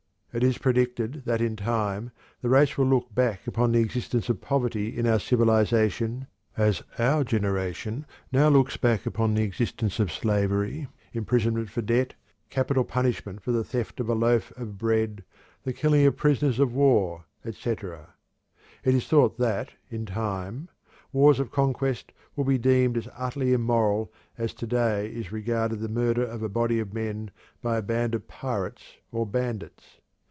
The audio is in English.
It is predicted that in time the race will look back upon the existence of poverty in our civilization as our generation now looks back upon the existence of slavery, imprisonment for debt, capital punishment for the theft of a loaf of bread, the killing of prisoners of war, etc. It is thought that, in time, wars of conquest will be deemed as utterly immoral as to day is regarded the murder of a body of men by a band of pirates or bandits.